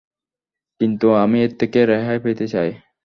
কিন্তু আমি এর থেকে রেহাই পেতে চাই।